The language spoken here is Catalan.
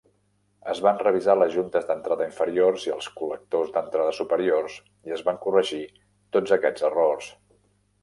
Es van revisar les juntes d'entrada inferiors i els col·lectors d'entrada superiors, i es van corregir tots aquests errors.